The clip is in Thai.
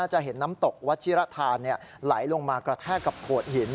จะเห็นน้ำตกวัชิรธานไหลลงมากระแทกกับโขดหิน